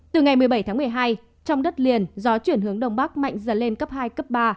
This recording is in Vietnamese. từ ngày một mươi bảy tháng một mươi hai trong đất liền gió chuyển hướng đông bắc mạnh dần lên cấp hai cấp ba